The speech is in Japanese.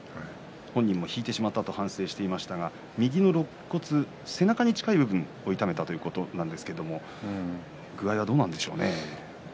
本人も引いてしまったと反省していましたが右のろっ骨背中に近い部分を痛めたということなんですけれど具合はどうなんでしょうね。